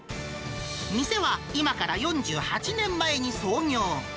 店は今から４８年前に創業。